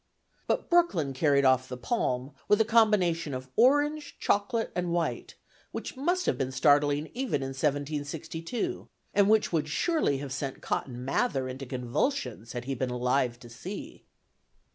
But Brooklyn carried off the palm, with a combination of orange, chocolate and white, which must have been startling even in 1762, and which would surely have sent Cotton Mather into convulsions, had he been alive to see.